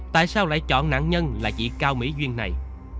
tại sao lại chọn nạn nhân là chị cao mỹ duyên này